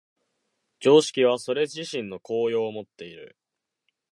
常識はそれ自身の効用をもっている。